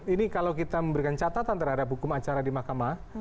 ini kalau kita memberikan catatan terhadap hukum acara di mahkamah